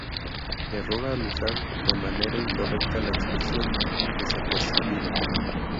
Error al usar de manera incorrecta la expresión "desapercibido".